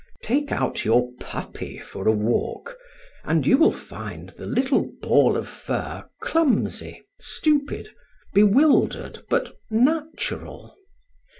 Take out your puppy for a walk, and you will find the little ball of fur clumsy, stupid, bewildered, but natural.